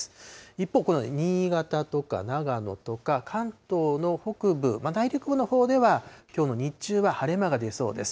一方、新潟とか長野とか、関東の北部、内陸部のほうではきょうの日中は晴れ間が出そうです。